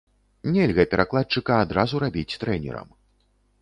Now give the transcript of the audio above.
Нельга перакладчыка адразу рабіць трэнерам.